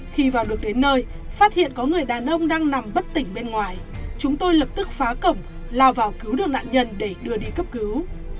khi vào được đến nơi phát hiện có người đàn ông đang nằm bất tỉnh bên ngoài chúng tôi lập tức phá cổng lao vào cứu được nạn nhân để đưa đi cấp cứu